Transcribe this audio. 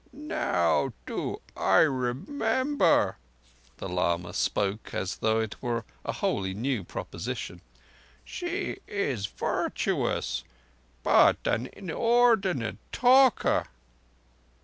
"Now do I remember"—the lama spoke as though it were a wholly new proposition. "She is virtuous, but an inordinate talker."